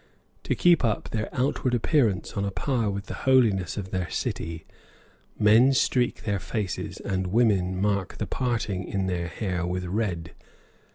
To keep up their outward appearance on a par with the holiness of their city, men streak their faces and women mark the parting in their hair with red.